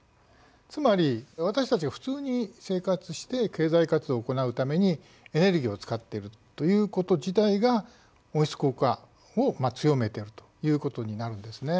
つまり私たちが普通に生活して経済活動を行うためにエネルギーを使っているということ自体が温室効果を強めているということになるんですね。